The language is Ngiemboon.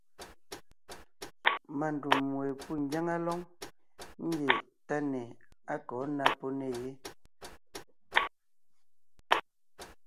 Má ndûm we pû ngyáŋa lóŋ ńgie táne á kɔ̌ ná pó nè yé.